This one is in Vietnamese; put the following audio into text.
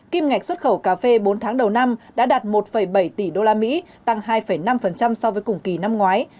kim ngạch xuất khẩu cà phê bốn tháng đầu năm đã đạt một bảy tỷ đô la mỹ tăng hai năm so với cùng kỳ năm ngoái